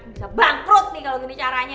bisa bangkrut nih kalau gini caranya